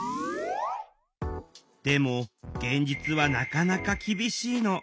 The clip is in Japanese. でも現実はなかなか厳しいの。